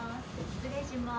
失礼します。